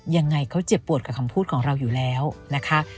ยังไงเขาเจ็บปวดกับคำพูดของเราอยู่แล้วนะคะ